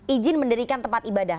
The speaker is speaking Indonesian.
ijin mendirikan tempat ibadah